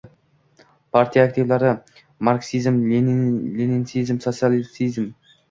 partiya aktivlari! Marksizm-leninizm sotsial-siyosiy